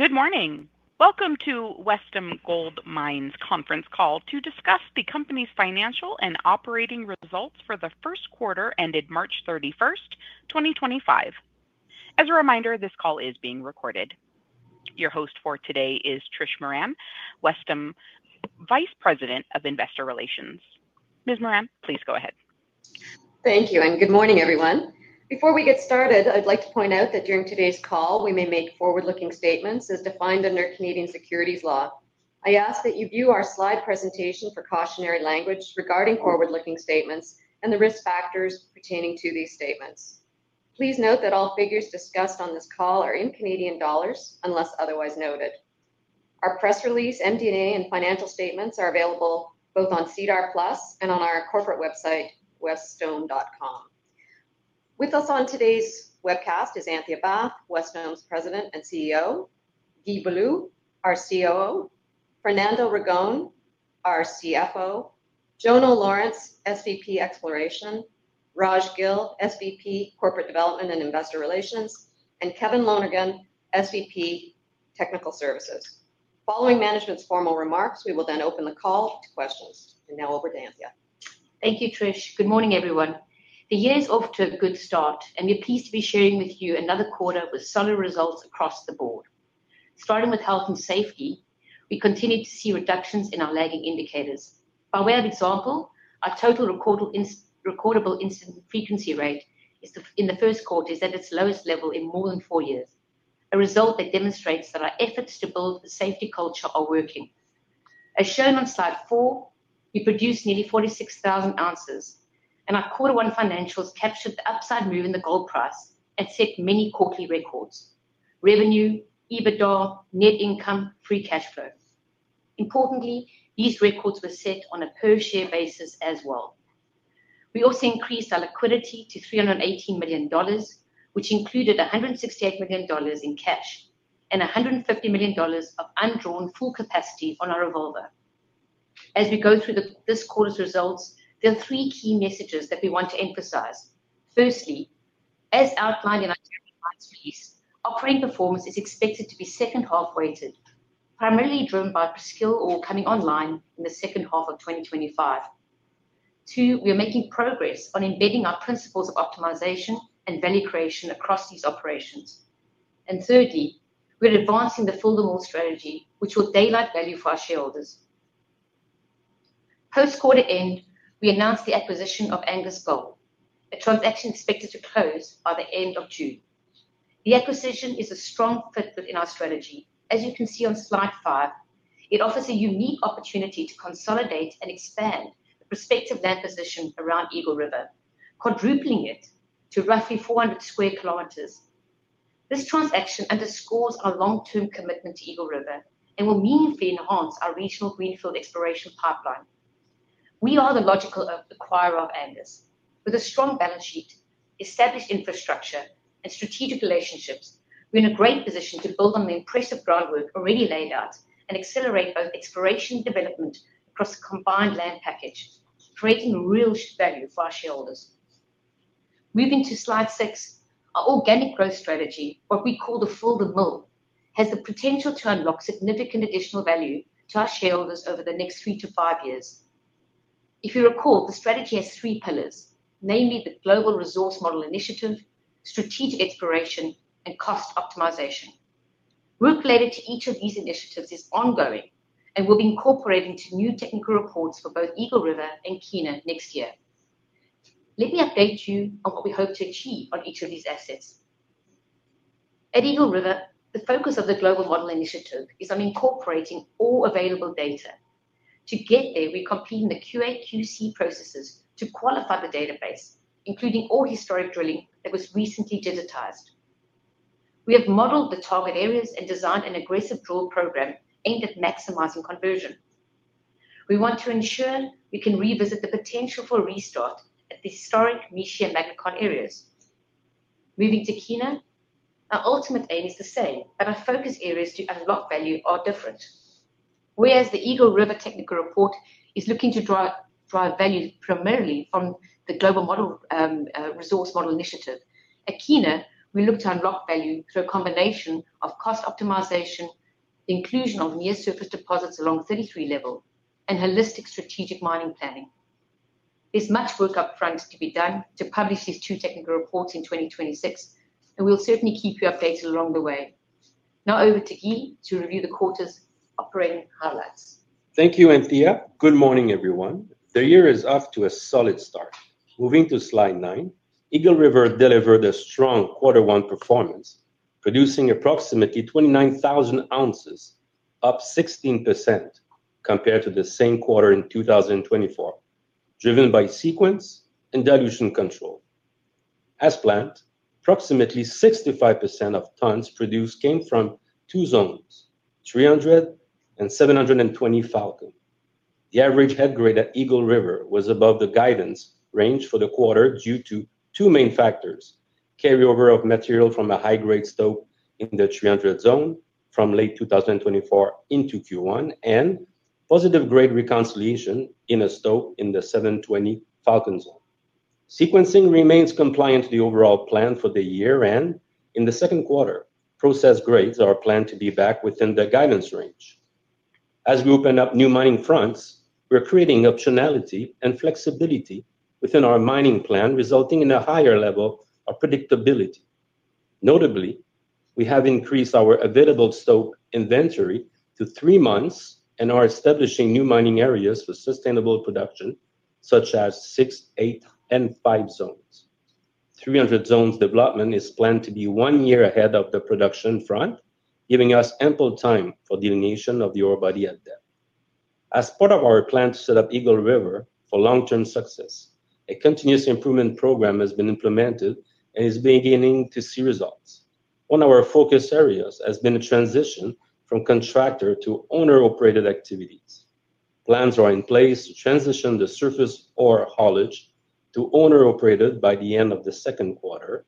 Good morning. Welcome to Wesdome Gold Mines' Conference Call to discuss the Company's Financial and Operating results for the first quarter ended March 31, 2025. As a reminder, this call is being recorded. Your host for today is Trish Moran, Wesdome Vice President of Investor Relations. Ms. Moran, please go ahead. Thank you, and good morning, everyone. Before we get started, I'd like to point out that during today's call, we may make forward-looking statements as defined under Canadian securities law. I ask that you view our slide presentation for cautionary language regarding forward-looking statements and the risk factors pertaining to these statements. Please note that all figures discussed on this call are in CAD unless otherwise noted. Our press release, MD&A, and financial statements are available both on SEDAR+ and on our corporate website, wesdome.com. With us on today's webcast is Anthea Bath, Wesdome's President and CEO, Guy Belleau, our COO, Fernando Ragone, our CFO, Jono Lawrence, SVP Exploration, Raj Gill, SVP Corporate Development and Investor Relations, and Kevin Lonergan, SVP Technical Services. Following management's formal remarks, we will then open the call to questions. Now over to Anthea. Thank you, Trish. Good morning, everyone. The year has off to a good start, and we're pleased to be sharing with you another quarter with solid results across the board. Starting with health and safety, we continue to see reductions in our lagging indicators. By way of example, our total recordable incident frequency rate in the first quarter is at its lowest level in more than four years, a result that demonstrates that our efforts to build a safety culture are working. As shown on slide four, we produced nearly 46,000 ounces, and our quarter one financials captured the upside move in the gold price and set many quarterly records: revenue, EBITDA, net income, free cash flow. Importantly, these records were set on a per-share basis as well. We also increased our liquidity to 318 million dollars, which included 168 million dollars in cash and 150 million dollars of undrawn full capacity on our revolver. As we go through this quarter's results, there are three key messages that we want to emphasize. Firstly, as outlined in our mining rights release, operating performance is expected to be second-half weighted, primarily driven by Presqu'île coming online in the second half of 2025. Two, we are making progress on embedding our principles of optimization and value creation across these operations. Thirdly, we're advancing the fill-the-mill strategy, which will daylight value for our shareholders. Post-quarter end, we announced the acquisition of Angus Gold, a transaction expected to close by the end of June. The acquisition is a strong fit in our strategy. As you can see on slide five, it offers a unique opportunity to consolidate and expand the prospective land position around Eagle River, quadrupling it to roughly 400 sq km. This transaction underscores our long-term commitment to Eagle River and will meaningfully enhance our regional greenfield exploration pipeline. We are the logical acquirer of Angus. With a strong balance sheet, established infrastructure, and strategic relationships, we're in a great position to build on the impressive groundwork already laid out and accelerate both exploration and development across the combined land package, creating real value for our shareholders. Moving to slide six, our organic growth strategy, what we call the fill-the-mill, has the potential to unlock significant additional value to our shareholders over the next three to five years. If you recall, the strategy has three pillars, namely the Global Resource Model Initiative, strategic exploration, and cost optimization. Work related to each of these initiatives is ongoing and will be incorporated into new technical reports for both Eagle River and Kiena next year. Let me update you on what we hope to achieve on each of these assets. At Eagle River, the focus of the Global Resource Model Initiative is on incorporating all available data. To get there, we complete the QA/QC processes to qualify the database, including all historic drilling that was recently digitized. We have modeled the target areas and designed an aggressive drill program aimed at maximizing conversion. We want to ensure we can revisit the potential for restart at the historic Mishi and MagnaCon areas. Moving to Kiena, our ultimate aim is the same, but our focus areas to unlock value are different. Whereas the Eagle River technical report is looking to drive value primarily from the Global Resource Model Initiative, at Kiena, we look to unlock value through a combination of cost optimization, the inclusion of near-surface deposits along 33 level, and holistic strategic mining planning. There's much work upfront to be done to publish these two technical reports in 2026, and we'll certainly keep you updated along the way. Now over to Guy to review the quarter's operating highlights. Thank you, Anthea. Good morning, everyone. The year is off to a solid start. Moving to slide nine, Eagle River delivered a strong quarter one performance, producing approximately 29,000 ounces, up 16% compared to the same quarter in 2024, driven by sequence and dilution control. As planned, approximately 65% of tons produced came from two zones, 300 and 720 Falcon. The average head grade at Eagle River was above the guidance range for the quarter due to two main factors: carryover of material from a high-grade stope in the 300 zone from late 2024 into Q1, and positive grade reconciliation in a stope in the 720 Falcon zone. Sequencing remains compliant to the overall plan for the year, and in the second quarter, process grades are planned to be back within the guidance range. As we open up new mining fronts, we're creating optionality and flexibility within our mining plan, resulting in a higher level of predictability. Notably, we have increased our available stope inventory to three months and are establishing new mining areas for sustainable production, such as 6, 8, and 5 zones. 300 zone's development is planned to be one year ahead of the production front, giving us ample time for delineation of the ore body at depth. As part of our plan to set up Eagle River for long-term success, a continuous improvement program has been implemented and is beginning to see results. One of our focus areas has been a transition from contractor to owner-operated activities. Plans are in place to transition the surface ore haulage to owner-operated by the end of the second quarter,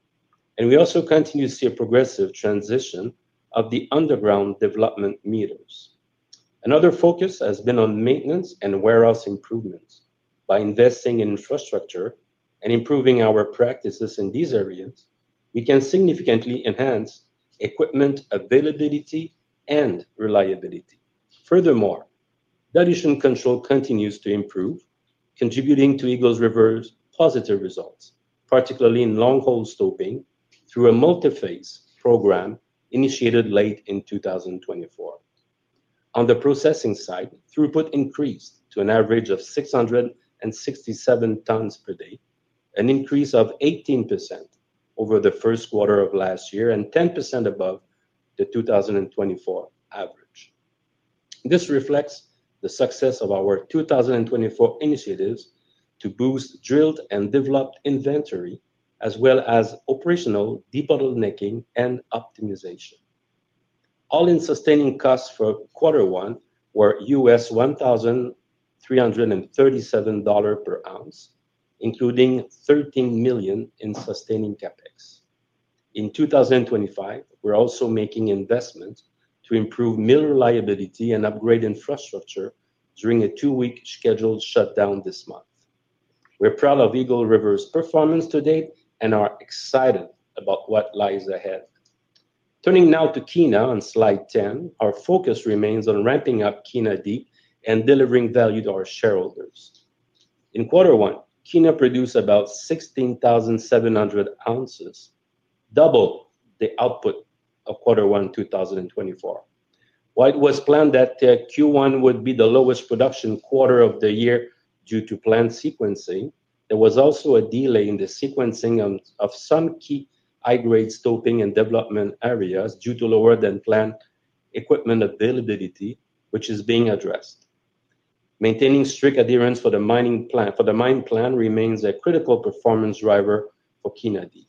and we also continue to see a progressive transition of the underground development meters. Another focus has been on maintenance and warehouse improvements. By investing in infrastructure and improving our practices in these areas, we can significantly enhance equipment availability and reliability. Furthermore, dilution control continues to improve, contributing to Eagle River's positive results, particularly in long-haul stoking through a multi-phase program initiated late in 2024. On the processing side, throughput increased to an average of 667 tons per day, an increase of 18% over the first quarter of last year and 10% above the 2024 average. This reflects the success of our 2024 initiatives to boost drilled and developed inventory, as well as operational debottlenecking and optimization. All-in Sustaining Costs for quarter one were U.S. CAD 1,337 per ounce, including 13 million in sustaining CapEx. In 2025, we're also making investments to improve mill reliability and upgrade infrastructure during a two-week scheduled shutdown this month. We're proud of Eagle River's performance to date and are excited about what lies ahead. Turning now to Kiena on slide 10, our focus remains on ramping up Kiena Deep and delivering value to our shareholders. In quarter one, Kiena produced about 16,700 ounces, double the output of quarter one 2024. While it was planned that Q1 would be the lowest production quarter of the year due to planned sequencing, there was also a delay in the sequencing of some key high-grade stopeing and development areas due to lower-than-plan equipment availability, which is being addressed. Maintaining strict adherence for the mining plan remains a critical performance driver for Kiena Deep.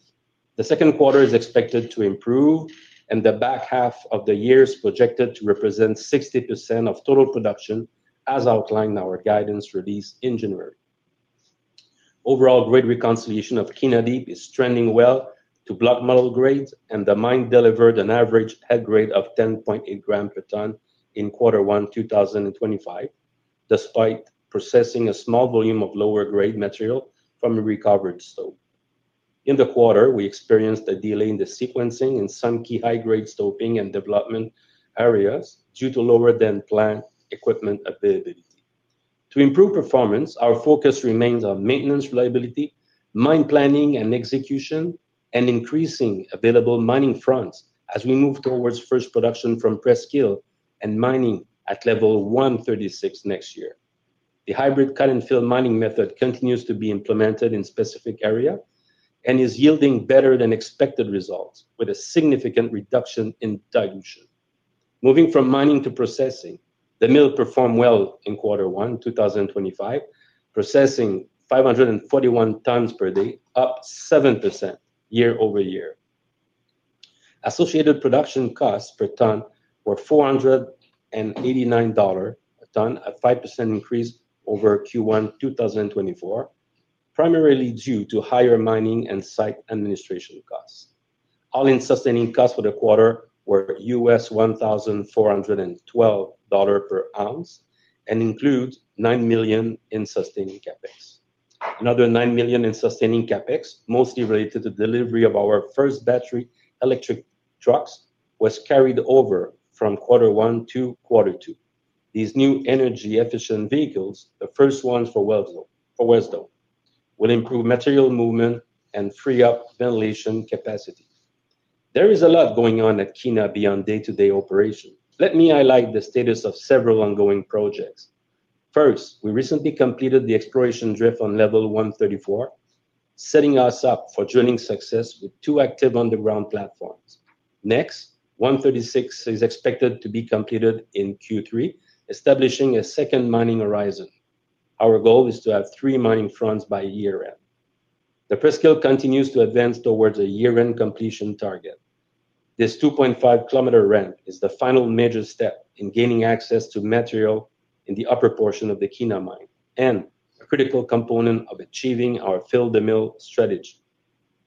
The second quarter is expected to improve, and the back half of the year is projected to represent 60% of total production, as outlined in our guidance release in January. Overall, grade reconciliation of Kiena Deep is trending well to block model grade, and the mine delivered an average head grade of 10.8 grams per tonne in quarter one 2025, despite processing a small volume of lower-grade material from a recovered stope. In the quarter, we experienced a delay in the sequencing in some key high-grade stoping and development areas due to lower-than-plan equipment availability. To improve performance, our focus remains on maintenance reliability, mine planning and execution, and increasing available mining fronts as we move towards first production from Presqu Hill and mining at level 136 next year. The hybrid cut-and-fill mining method continues to be implemented in specific areas and is yielding better-than-expected results with a significant reduction in dilution. Moving from mining to processing, the mill performed well in quarter one 2025, processing 541 tonnes per day, up 7% year over year. Associated production costs per ton were 489 dollars a ton, a 5% increase over Q1 2024, primarily due to higher mining and site administration costs. All-in Sustaining Costs for the quarter were U.S. 1,412 dollar per ounce and include 9 million in sustaining CapEx. Another 9 million in sustaining CapEx, mostly related to the delivery of our first battery electric trucks, was carried over from quarter one to quarter two. These new energy-efficient vehicles, the first ones for Wesdome, will improve material movement and free up ventilation capacity. There is a lot going on at Kiena beyond day-to-day operation. Let me highlight the status of several ongoing projects. First, we recently completed the exploration drift on level 134, setting us up for drilling success with two active underground platforms. Next, 136 is expected to be completed in Q3, establishing a second mining horizon. Our goal is to have three mining fronts by year-end. The Presqu'île continues to advance towards a year-end completion target. This 2.5 km ramp is the final major step in gaining access to material in the upper portion of the Kiena mine and a critical component of achieving our fill-the-mill strategy.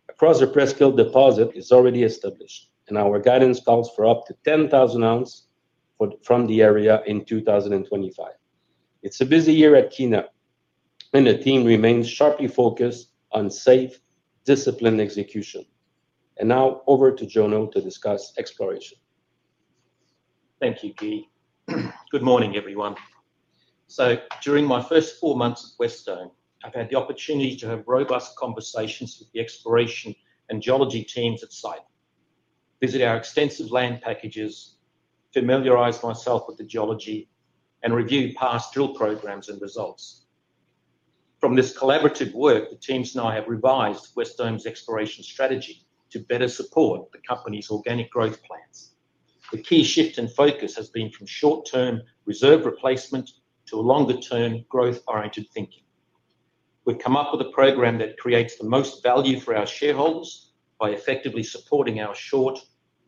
Access across the Presqu'île deposit is already established, and our guidance calls for up to 10,000 ounces from the area in 2025. It is a busy year at Kiena, and the team remains sharply focused on safe, disciplined execution. Now over to Jono to discuss exploration. Thank you, Guy. Good morning, everyone. During my first four months at Wesdome, I've had the opportunity to have robust conversations with the exploration and geology teams at site, visit our extensive land packages, familiarize myself with the geology, and review past drill programs and results. From this collaborative work, the teams now have revised Wesdome's exploration strategy to better support the company's organic growth plans. The key shift in focus has been from short-term reserve replacement to longer-term growth-oriented thinking. We've come up with a program that creates the most value for our shareholders by effectively supporting our short,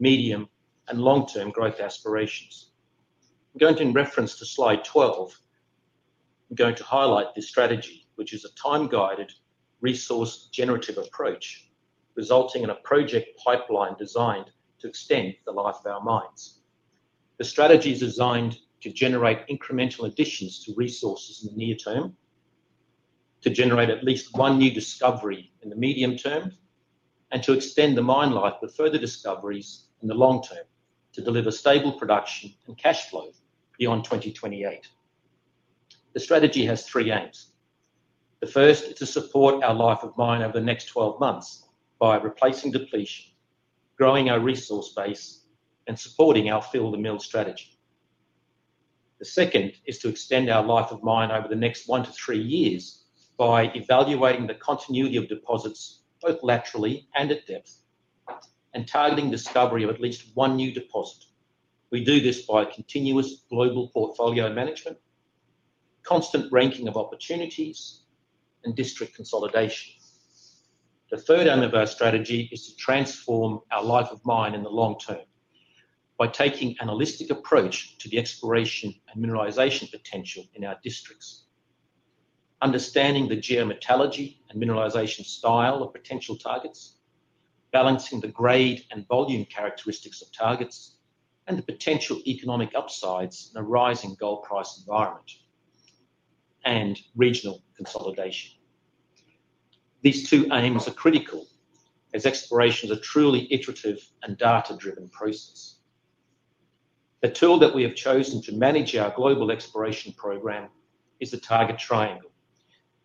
medium, and long-term growth aspirations. Going in reference to slide 12, I'm going to highlight this strategy, which is a time-guided resource-generative approach, resulting in a project pipeline designed to extend the life of our mines. The strategy is designed to generate incremental additions to resources in the near term, to generate at least one new discovery in the medium term, and to extend the mine life with further discoveries in the long term to deliver stable production and cash flow beyond 2028. The strategy has three aims. The first is to support our life of mine over the next 12 months by replacing depletion, growing our resource base, and supporting our fill-the-mill strategy. The second is to extend our life of mine over the next one to three years by evaluating the continuity of deposits both laterally and at depth and targeting discovery of at least one new deposit. We do this by continuous global portfolio management, constant ranking of opportunities, and district consolidation. The third aim of our strategy is to transform our life of mine in the long term by taking a holistic approach to the exploration and mineralization potential in our districts, understanding the geometallurgy and mineralization style of potential targets, balancing the grade and volume characteristics of targets, and the potential economic upsides in a rising gold price environment and regional consolidation. These two aims are critical as exploration is a truly iterative and data-driven process. The tool that we have chosen to manage our global exploration program is the target triangle.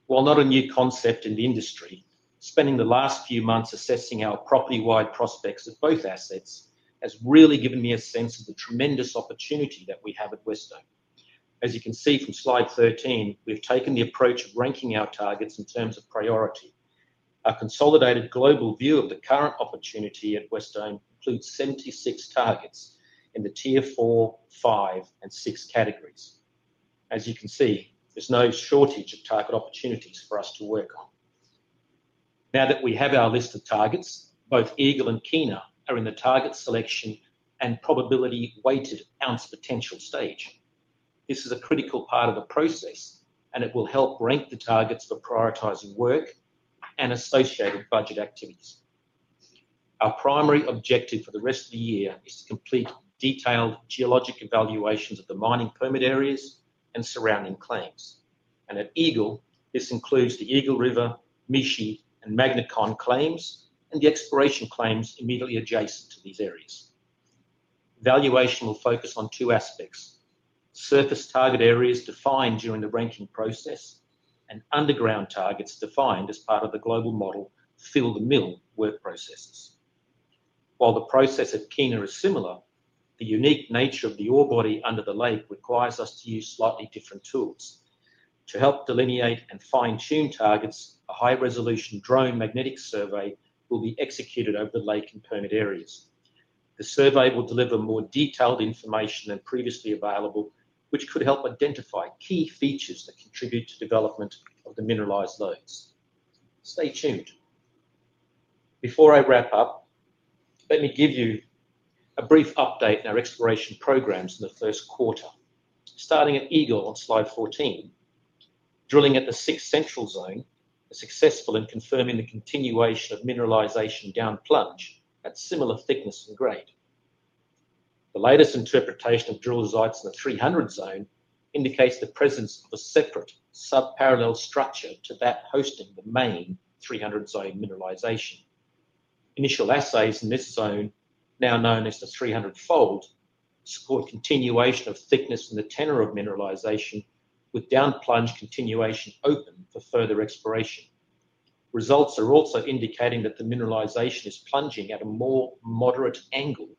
While not a new concept in the industry, spending the last few months assessing our property-wide prospects of both assets has really given me a sense of the tremendous opportunity that we have at Wesdome. As you can see from slide 13, we've taken the approach of ranking our targets in terms of priority. Our consolidated global view of the current opportunity at Wesdome includes 76 targets in the tier four, five, and six categories. As you can see, there is no shortage of target opportunities for us to work on. Now that we have our list of targets, both Eagle and Kiena are in the target selection and probability-weighted ounce potential stage. This is a critical part of the process, and it will help rank the targets for prioritizing work and associated budget activities. Our primary objective for the rest of the year is to complete detailed geologic evaluations of the mining permit areas and surrounding claims. At Eagle, this includes the Eagle River, Mishi, and MagnaCon claims, and the exploration claims immediately adjacent to these areas. Evaluation will focus on two aspects: surface target areas defined during the ranking process and underground targets defined as part of the global model fill-the-mill work processes. While the process at Kiena is similar, the unique nature of the ore body under the lake requires us to use slightly different tools. To help delineate and fine-tune targets, a high-resolution drone magnetic survey will be executed over the lake and permit areas. The survey will deliver more detailed information than previously available, which could help identify key features that contribute to development of the mineralized lodes. Stay tuned. Before I wrap up, let me give you a brief update on our exploration programs in the first quarter. Starting at Eagle on slide 14, drilling at the 6 Central Zone is successful in confirming the continuation of mineralization down plunge at similar thickness and grade. The latest interpretation of drill sites in the 300 zone indicates the presence of a separate sub-parallel structure to that hosting the main 300 zone mineralization. Initial assays in this zone, now known as the 300 fold, support continuation of thickness in the tenor of mineralization with down plunge continuation open for further exploration. Results are also indicating that the mineralization is plunging at a more moderate angle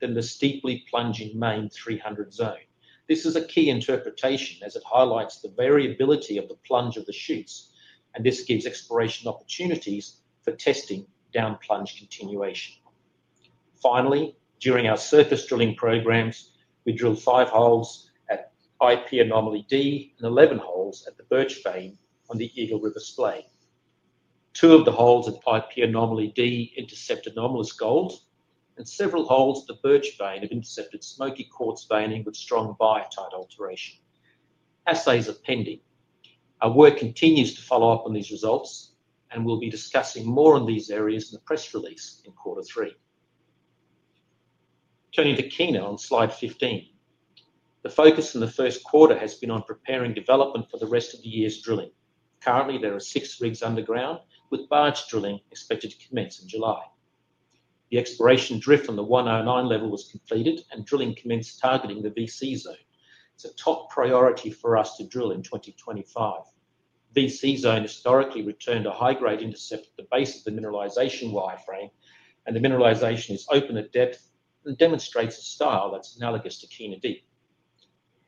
than the steeply plunging main 300 zone. This is a key interpretation as it highlights the variability of the plunge of the chutes, and this gives exploration opportunities for testing down plunge continuation. Finally, during our surface drilling programs, we drilled five holes at IP Anomaly D and 11 holes at the Birch Vein on the Eagle River splay. Two of the holes at IP Anomaly D intercepted anomalous gold, and several holes at the Birch Vein have intercepted smoky quartz veining with strong biotite alteration. Assays are pending. Our work continues to follow up on these results and will be discussing more on these areas in the press release in quarter three. Turning to Kiena on slide 15, the focus in the first quarter has been on preparing development for the rest of the year's drilling. Currently, there are six rigs underground with barge drilling expected to commence in July. The exploration drift on the 109 level was completed, and drilling commenced targeting the VC zone. It's a top priority for us to drill in 2025. VC zone historically returned a high-grade intercept at the base of the mineralization wireframe, and the mineralization is open at depth and demonstrates a style that's analogous to Kiena Deep.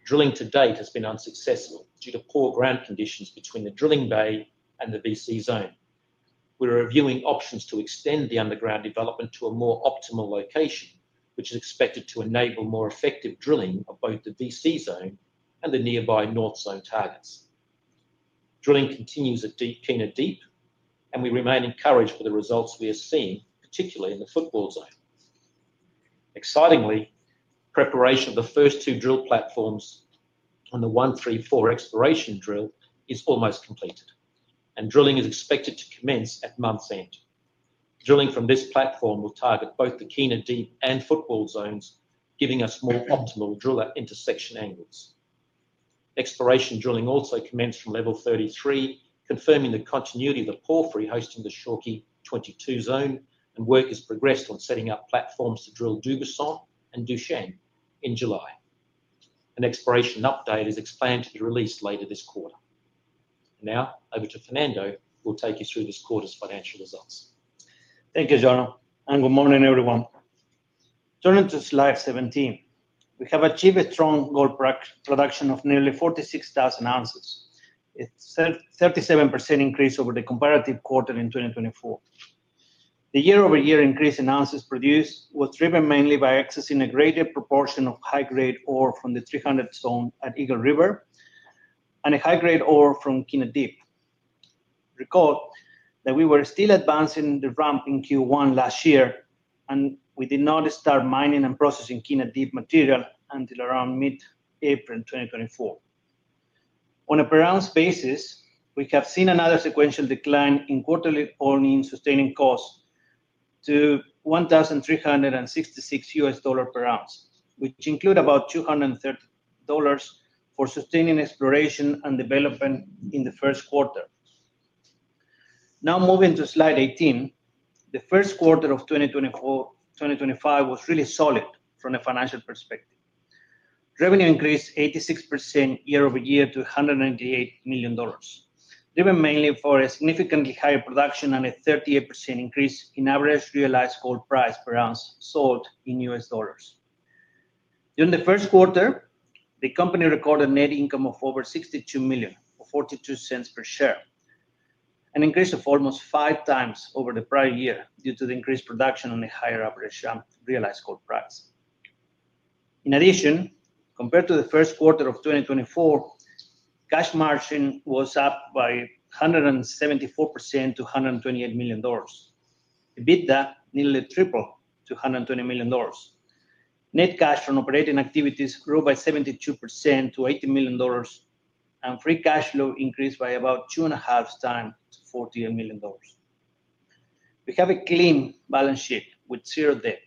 Drilling to date has been unsuccessful due to poor ground conditions between the drilling bay and the VC zone. We're reviewing options to extend the underground development to a more optimal location, which is expected to enable more effective drilling of both the VC zone and the nearby North zone targets. Drilling continues at Deep Kiena Deep, and we remain encouraged by the results we are seeing, particularly in the Footwall zone. Excitingly, preparation of the first two drill platforms on the 134 exploration drill is almost completed, and drilling is expected to commence at month's end. Drilling from this platform will target both the Kiena Deep and Footwall zones, giving us more optimal drill intersection angles. Exploration drilling also commenced from level 33, confirming the continuity of the porphyry hosting the Shawkey-22 zone, and work has progressed on setting up platforms to drill Dugasong and Duchenne in July. An exploration update is expected to be released later this quarter. Now, over to Fernando who will take you through this quarter's financial results. Thank you, Jono. Good morning, everyone. Turning to slide 17, we have achieved a strong gold production of nearly 46,000 ounces, a 37% increase over the comparative quarter in 2024. The year-over-year increase in ounces produced was driven mainly by accessing a greater proportion of high-grade ore from the 300 Zone at Eagle River and high-grade ore from Kiena Deep. Recall that we were still advancing the ramp in Q1 last year, and we did not start mining and processing Kiena Deep material until around mid-April 2024. On a per ounce basis, we have seen another sequential decline in quarterly all-in sustaining costs to $1,366 per ounce, which includes about 230 dollars for sustaining exploration and development in the first quarter. Now moving to slide 18, the first quarter of 2024-2025 was really solid from a financial perspective. Revenue increased 86% year-over-year to 198 million dollars, driven mainly by significantly higher production and a 38% increase in average realized gold price per ounce sold in US dollars. During the first quarter, the company recorded net income of over 62 million or 0.42 per share, an increase of almost five times over the prior year due to the increased production and the higher average realized gold price. In addition, compared to the first quarter of 2024, cash margin was up by 174% to CAD 128 million, EBITDA nearly tripled to 120 million dollars. Net cash on operating activities grew by 72% to 80 million dollars, and free cash flow increased by about two and a half times to 48 million dollars. We have a clean balance sheet with zero debt.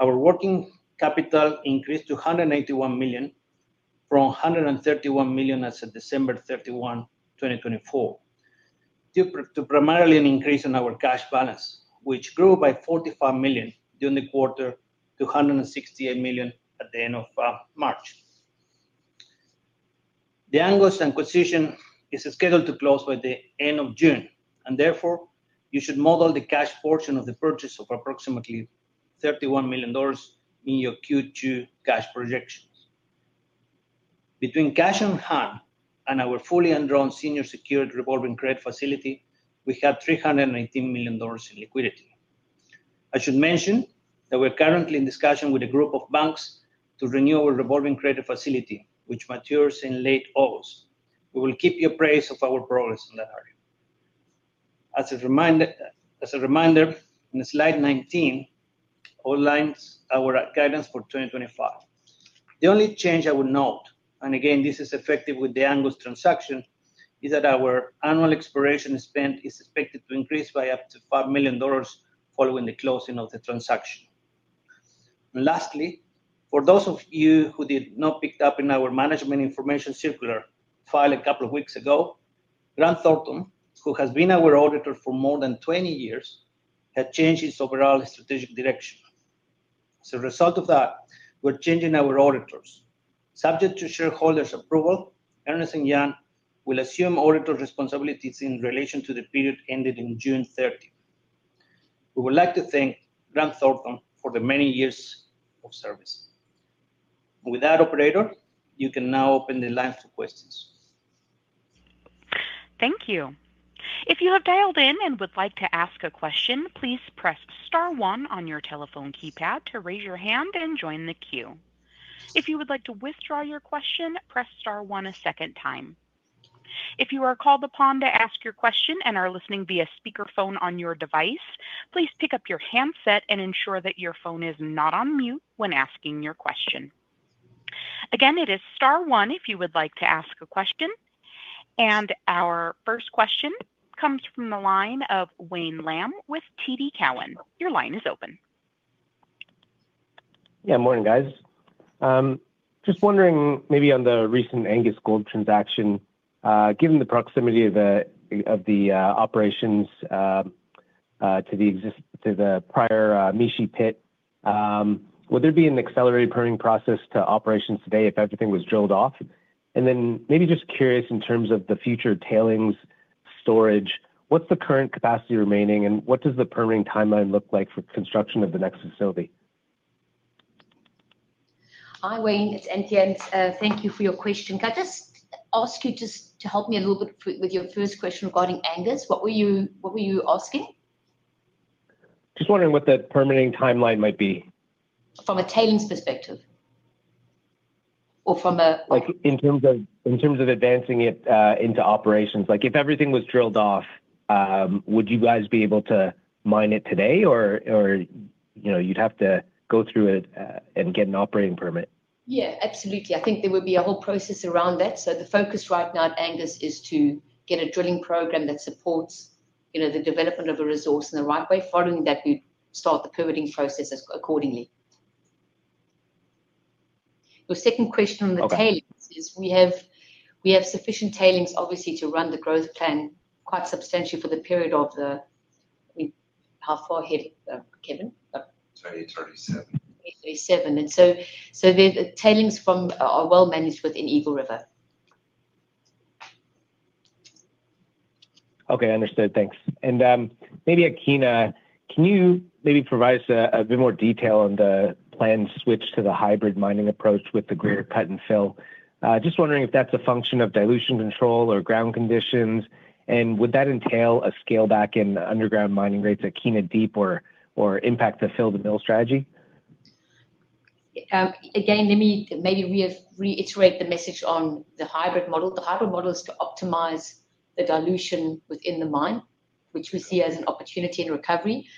Our working capital increased to 181 million from 131 million as of December 31, 2024, due primarily to an increase in our cash balance, which grew by 45 million during the quarter to 168 million at the end of March. The Angus Gold acquisition is scheduled to close by the end of June, and therefore, you should model the cash portion of the purchase of approximately 31 million dollars in your Q2 cash projections. Between cash on hand and our fully enrolled senior secured revolving credit facility, we have 318 million dollars in liquidity. I should mention that we're currently in discussion with a group of banks to renew our revolving credit facility, which matures in late August. We will keep you apprised of our progress on that area. As a reminder, slide 19 outlines our guidance for 2025. The only change I would note, and again, this is effective with the Angus Gold transaction, is that our annual exploration spend is expected to increase by up to 5 million dollars following the closing of the transaction. Lastly, for those of you who did not pick up in our management information circular filed a couple of weeks ago, Grant Thornton, who has been our auditor for more than 20 years, had changed its overall strategic direction. As a result of that, we're changing our auditors. Subject to shareholders' approval, Ernst & Young will assume auditor responsibilities in relation to the period ended June 30. We would like to thank Grant Thornton for the many years of service. With that, operator, you can now open the lines for questions. Thank you. If you have dialed in and would like to ask a question, please press star one on your telephone keypad to raise your hand and join the queue. If you would like to withdraw your question, press star one a second time. If you are called upon to ask your question and are listening via speakerphone on your device, please pick up your handset and ensure that your phone is not on mute when asking your question. Again, it is star one if you would like to ask a question. Our first question comes from the line of Wayne Lam with TD Cowen. Your line is open. Yeah, morning, guys. Just wondering maybe on the recent Angus Gold transaction, given the proximity of the operations to the prior Mishi pit, would there be an accelerated permitting process to operations today if everything was drilled off? Just curious in terms of the future tailings storage, what's the current capacity remaining, and what does the permitting timeline look like for construction of the next facility? Hi, Wayne. It's Anthea. Thank you for your question. Can I just ask you just to help me a little bit with your first question regarding Angus? What were you asking? Just wondering what the permitting timeline might be? From a tailings perspective or from a? In terms of advancing it into operations, if everything was drilled off, would you guys be able to mine it today, or you'd have to go through it and get an operating permit? Yeah, absolutely. I think there would be a whole process around that. The focus right now at Angus is to get a drilling program that supports the development of a resource in the right way. Following that, we'd start the permitting process accordingly. Your second question on the tailings is we have sufficient tailings, obviously, to run the growth plan quite substantially for the period of the—how far ahead, Kevin? 2037. 2037. The tailings are well managed within Eagle River. Okay, understood. Thanks. Maybe at Kiena, can you maybe provide us a bit more detail on the planned switch to the hybrid mining approach with the greater cut-and-fill? Just wondering if that's a function of dilution control or ground conditions, and would that entail a scale back in underground mining rates at Kiena Deep or impact the fill-the-mill strategy? Again, let me maybe reiterate the message on the hybrid model. The hybrid model is to optimize the dilution within the mine, which we see as an opportunity and recovery.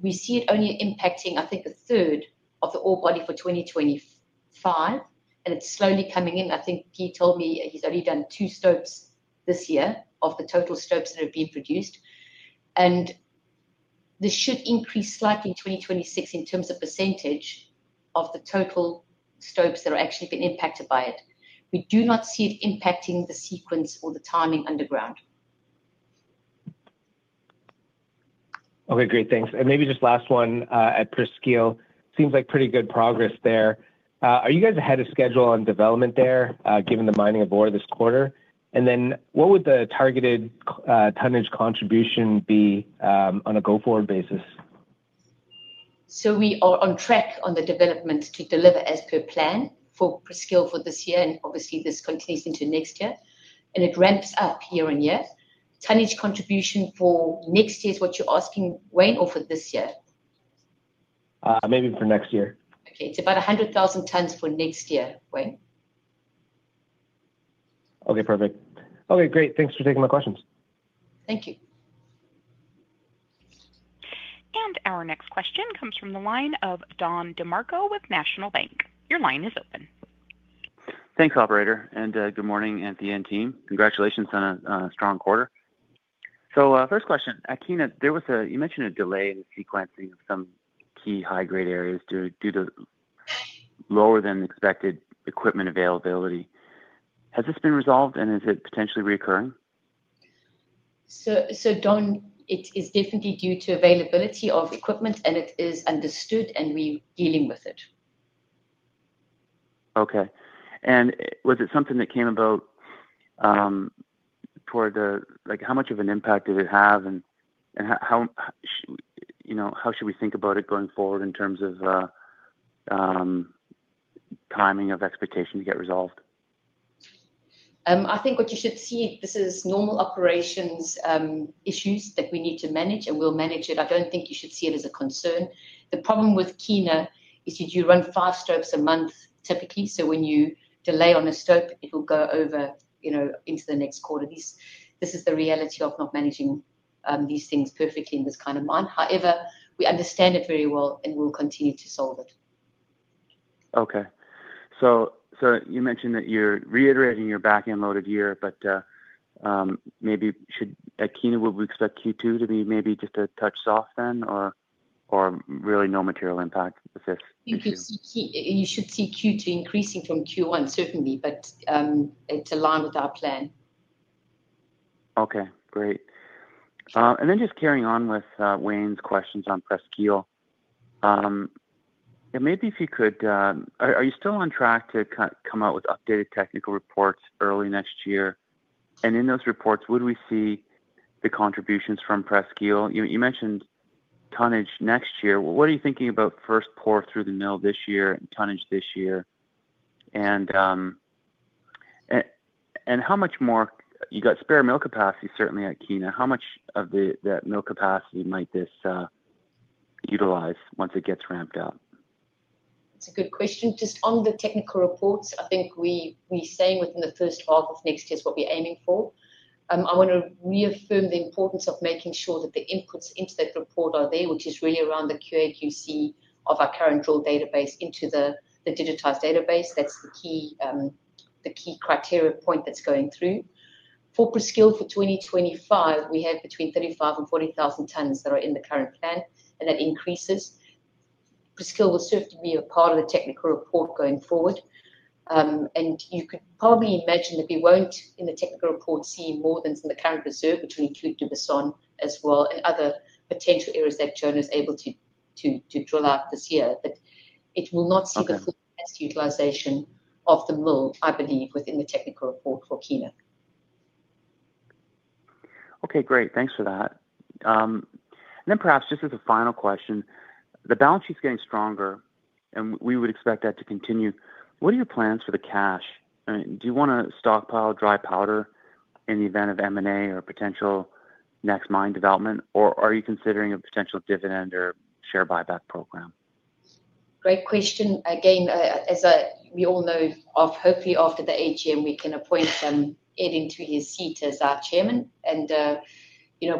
We see it only impacting, I think, a third of the ore body for 2025, and it is slowly coming in. I think he told me he has only done two stopes this year of the total stopes that have been produced, and this should increase slightly in 2026 in terms of percentage of the total stopes that are actually being impacted by it. We do not see it impacting the sequence or the timing underground. Okay, great. Thanks. Maybe just last one at Presqu'île. Seems like pretty good progress there. Are you guys ahead of schedule on development there given the mining of ore this quarter? What would the targeted tonnage contribution be on a go-forward basis? We are on track on the development to deliver as per plan for Presque Hill for this year, and obviously, this continues into next year, and it ramps up year on year. Tonnage contribution for next year is what you're asking, Wayne, or for this year? Maybe for next year. Okay. It is about 100,000 tons for next year, Wayne. Okay, perfect. Okay, great. Thanks for taking my questions. Thank you. Our next question comes from the line of Don DeMarco with National Bank. Your line is open. Thanks, operator. Good morning, Wesdome team. Congratulations on a strong quarter. First question, at Kiena, you mentioned a delay in the sequencing of some key high-grade areas due to lower than expected equipment availability. Has this been resolved, and is it potentially reoccurring? It is definitely due to availability of equipment, and it is understood, and we are dealing with it. Okay. Was it something that came about toward the—how much of an impact did it have, and how should we think about it going forward in terms of timing of expectation to get resolved? I think what you should see, this is normal operations issues that we need to manage, and we'll manage it. I don't think you should see it as a concern. The problem with Kiena is you do run five stopes a month typically, so when you delay on a stope, it will go over into the next quarter. This is the reality of not managing these things perfectly in this kind of mine. However, we understand it very well, and we'll continue to solve it. Okay. So you mentioned that you're reiterating your backend loaded year, but maybe should at Kiena, would we expect Q2 to be maybe just a touch soft then, or really no material impact if this? You should see Q2 increasing from Q1, certainly, but it's aligned with our plan. Okay, great. Just carrying on with Wayne's questions on Presqu'île, maybe if you could—are you still on track to come out with updated technical reports early next year? In those reports, would we see the contributions from Presqu'île? You mentioned tonnage next year. What are you thinking about first pour through the mill this year and tonnage this year? How much more you got spare-mill capacity, certainly, at Kiena. How much of that mill capacity might this utilize once it gets ramped up? That's a good question. Just on the technical reports, I think we're saying within the first half of next year is what we're aiming for. I want to reaffirm the importance of making sure that the inputs into that report are there, which is really around the QA/QC of our current drill database into the digitized database. That's the key criteria point that's going through. For Presqu'île for 2025, we have between 35,000 and 40,000 tons that are in the current plan, and that increases. Presqu'île will certainly be a part of the technical report going forward. You could probably imagine that we won't, in the technical report, see more than the current reserve between Q2 to the summer as well and other potential areas that Jono is able to drill out this year. It will not see the full utilization of the mill, I believe, within the technical report for Kiena. Okay, great. Thanks for that. Perhaps just as a final question, the balance sheet's getting stronger, and we would expect that to continue. What are your plans for the cash? Do you want to stockpile dry powder in the event of M&A or potential next mine development, or are you considering a potential dividend or share buyback program? Great question. Again, as we all know, hopefully after the AGM, we can appoint Ed into his seat as our Chairman. We are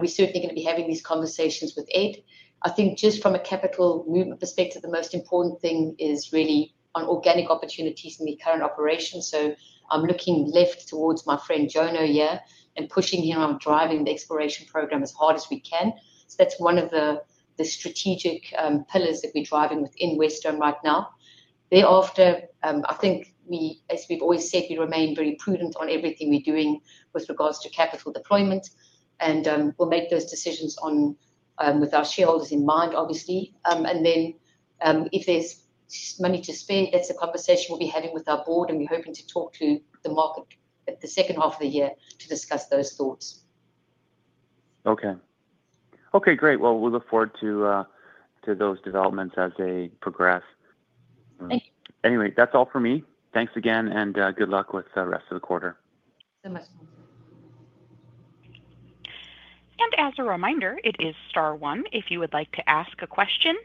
certainly going to be having these conversations with Ed. I think just from a capital movement perspective, the most important thing is really on organic opportunities in the current operation. I am looking left towards my friend Jono here, and pushing him on driving the exploration program as hard as we can. That is one of the strategic pillars that we are driving within Wesdome right now. Thereafter, I think, as we have always said, we remain very prudent on everything we are doing with regards to capital deployment, and we will make those decisions with our shareholders in mind, obviously. If there's money to spare, that's a conversation we'll be having with our board, and we're hoping to talk to the market at the second half of the year to discuss those thoughts. Okay. Okay, great. We will look forward to those developments as they progress. Thank you. Anyway, that's all for me. Thanks again, and good luck with the rest of the quarter. So much more. As a reminder, it is star one if you would like to ask a question.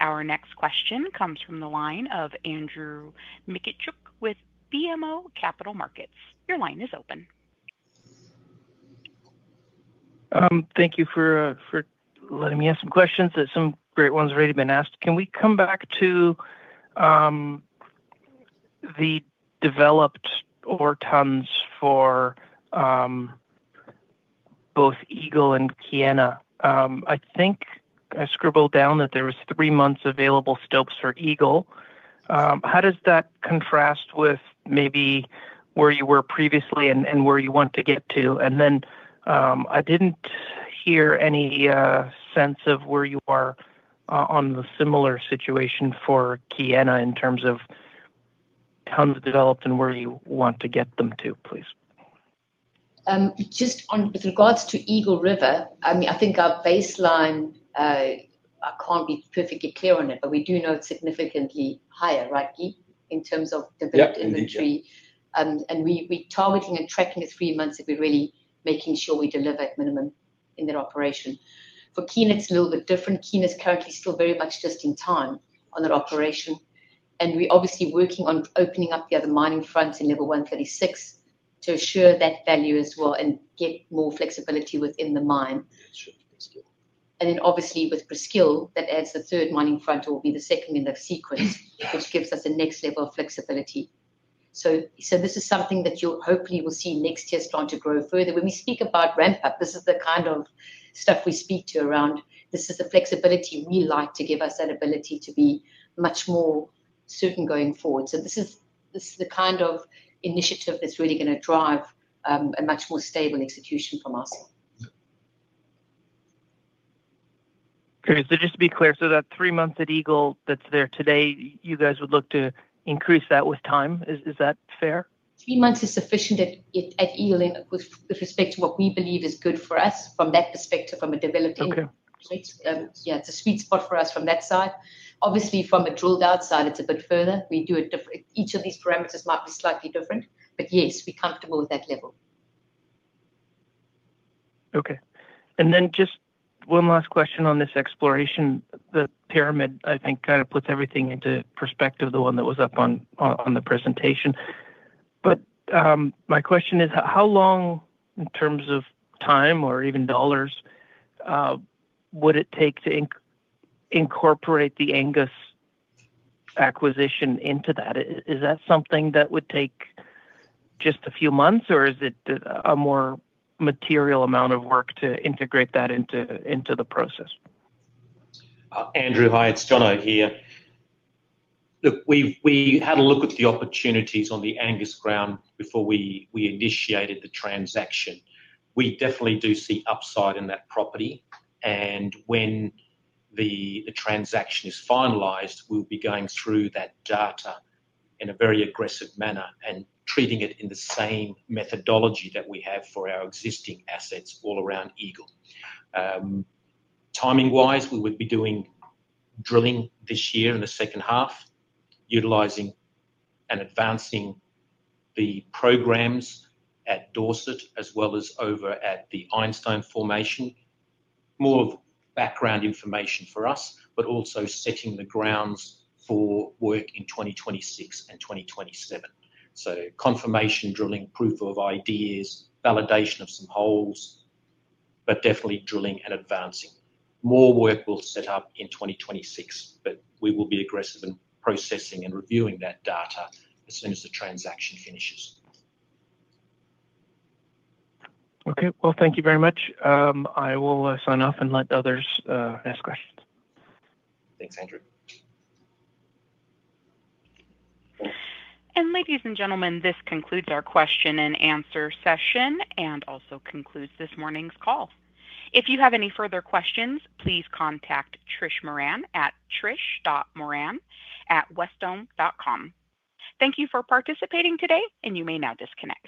Our next question comes from the line of Andrew Mikitchook with BMO Capital Markets. Your line is open. Thank you for letting me ask some questions. Some great ones have already been asked. Can we come back to the developed ore tons for both Eagle and Kiena? I think I scribbled down that there were three months available stopes for Eagle. How does that contrast with maybe where you were previously and where you want to get to? I did not hear any sense of where you are on the similar situation for Kiena in terms of tons developed and where you want to get them to, please. Just with regards to Eagle River, I mean, I think our baseline—I cannot be perfectly clear on it, but we do know it is significantly higher, right, Keith, in terms of developed inventory. We are targeting and tracking the three months that we are really making sure we deliver at minimum in that operation. For Kiena, it is a little bit different. Kiena is currently still very much just in time on that operation. We are obviously working on opening up the other mining fronts in level 136 to assure that value as well and get more flexibility within the mine. Obviously, with Presqu'île, that adds the third mining front, or it will be the second in that sequence, which gives us a next level of flexibility. This is something that you will hopefully see next year start to grow further. When we speak about ramp-up, this is the kind of stuff we speak to around, this is the flexibility we like to give us that ability to be much more certain going forward. This is the kind of initiative that's really going to drive a much more stable execution from us. Okay. So just to be clear, so that three months at Eagle that's there today, you guys would look to increase that with time. Is that fair? Three months is sufficient at Eagle with respect to what we believe is good for us from that perspective from a developing. Yeah, it's a sweet spot for us from that side. Obviously, from a drilled-out side, it's a bit further. Each of these parameters might be slightly different, but yes, we're comfortable with that level. Okay. And then just one last question on this exploration. The pyramid, I think, kind of puts everything into perspective, the one that was up on the presentation. My question is, how long in terms of time or even dollars would it take to incorporate the Angus Gold acquisition into that? Is that something that would take just a few months, or is it a more material amount of work to integrate that into the process? Andrew, hi. It's Jono here. Look, we had a look at the opportunities on the Angus ground before we initiated the transaction. We definitely do see upside in that property. When the transaction is finalized, we'll be going through that data in a very aggressive manner and treating it in the same methodology that we have for our existing assets all around Eagle. Timing-wise, we would be doing drilling this year in the second half, utilizing and advancing the programs at Dorset as well as over at the Einstein Formation. More of background information for us, but also setting the grounds for work in 2026 and 2027. Confirmation drilling, proof of ideas, validation of some holes, but definitely drilling and advancing. More work will set up in 2026, but we will be aggressive in processing and reviewing that data as soon as the transaction finishes. Okay. Thank you very much. I will sign off and let others ask questions. Thanks, Andrew. Ladies and gentlemen, this concludes our question and answer session and also concludes this morning's call. If you have any further questions, please contact Trish Moran at trish.moran@wesdome.com. Thank you for participating today, and you may now disconnect.